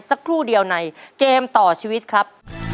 สักครู่เดียวในเกมต่อชีวิตครับ